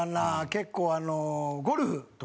結構あのゴルフとか。